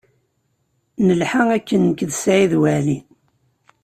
Nelḥa akken nekk d Saɛid Waɛli.